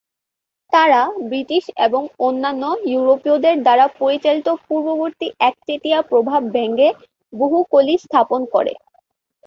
তারা ব্রিটিশ এবং অন্যান্য ইউরোপীয়দের দ্বারা পরিচালিত পূর্ববর্তী একচেটিয়া প্রভাব ভেঙে বহু কলি স্থাপন করে।